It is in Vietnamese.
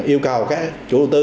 yêu cầu các chủ đầu tư